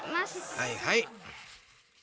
はいはい。